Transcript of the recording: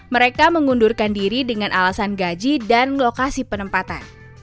mereka mengundurkan diri dengan alasan gaji dan lokasi penempatan